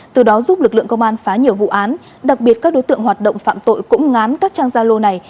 từ đó giúp lực lượng công an phá nhiều vụ án đặc biệt các đối tượng hoạt động phạm tội cũng ngán các trang gia lô này